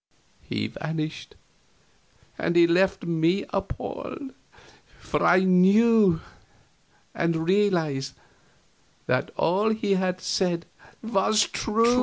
He vanished, and left me appalled; for I knew, and realized, that all he had said was true.